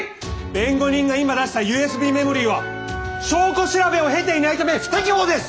弁護人が今出したＵＳＢメモリーは証拠調べを経ていないため不適法です！